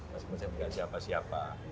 masih muda enggak siapa siapa